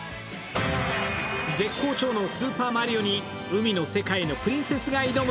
絶好調の「スーパーマリオ」に海の主人公のプリンセスが挑む。